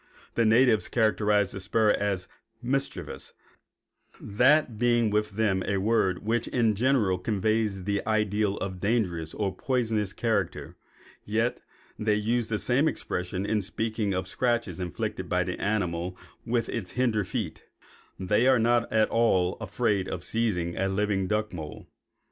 The natives characterize the spur as 'mischievous,' that being with them a word which in general conveys the idea of dangerous or poisonous character; yet they use the same expression in speaking of the scratches inflicted by the animal with the hinder feet, and they are not at all afraid of seizing a living duck mole.